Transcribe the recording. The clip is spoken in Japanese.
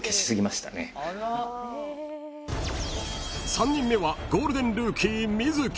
［３人目はゴールデンルーキー実月］